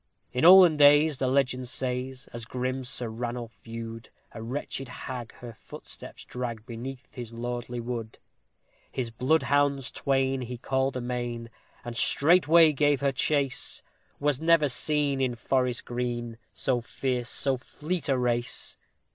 In olden days, the legend says, as grim Sir Ranulph view'd A wretched hag her footsteps drag beneath his lordly wood. His bloodhounds twain he called amain, and straightway gave her chase; Was never seen in forest green, so fierce, so fleet a race!